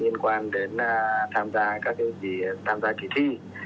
liên quan đến tham gia kỳ thi